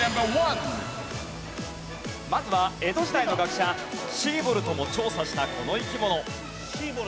まずは江戸時代の学者シーボルトも調査したこの生き物。